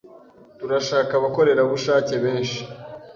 Turashaka abakorerabushake benshi.